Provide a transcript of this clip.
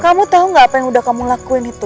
kamu tau gak apa yang udah kamu lakuin itu